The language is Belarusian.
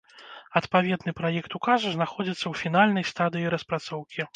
Адпаведны праект указу знаходзіцца ў фінальнай стадыі распрацоўкі.